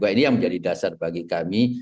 ini yang menjadi dasar bagi kami